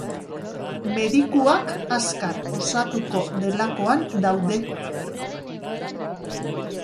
Medikuak azkar osatuko delakoan daude.